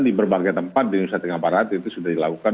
di berbagai tempat di indonesia tengah barat itu sudah dilakukan